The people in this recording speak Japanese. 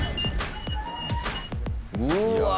うわ！